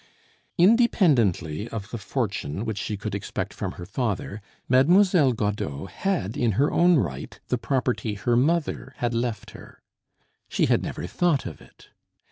Independently of the fortune which she could expect from her father, Mademoiselle Godeau had in her own right the property her mother had left her. She had never thought of it.